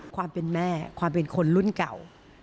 ความเป็นแม่ความเป็นคนรุ่นเก่า